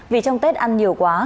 vì trong tết ăn nhiều quá